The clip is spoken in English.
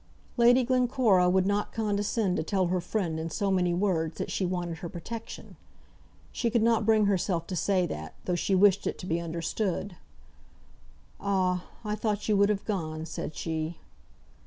Lady Glencora would not condescend to tell her friend in so many words that she wanted her protection. She could not bring herself to say that, though she wished it to be understood. "Ah! I thought you would have gone," said she.